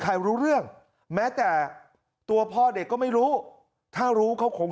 รู้เรื่องแม้แต่ตัวพ่อเด็กก็ไม่รู้ถ้ารู้เขาคง